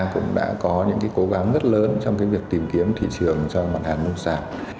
cũng đã có những cố gắng rất lớn trong việc tìm kiếm thị trường cho mặt hàng nông sản